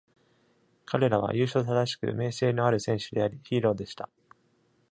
彼らは由緒正しく、名声のある戦士であり、ヒーローでした。